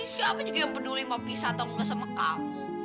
siapa juga yang peduli mau pisah atau nggak sama kamu